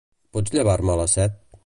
Pots llevar-me a les set?